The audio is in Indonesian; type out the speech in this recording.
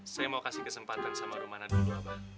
saya mau kasih kesempatan sama rumana dulu apa